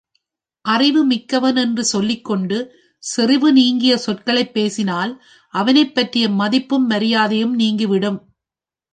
அறிவு மிக்கவன் என்று சொல்லிக்கொண்டு செறிவு நீங்கிய சொற்களைப் பேசினால் அவனைப்பற்றிய மதிப்பும் மரியாதையும் நீங்கிவிடும்.